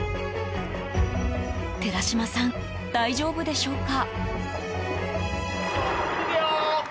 寺島さん、大丈夫でしょうか。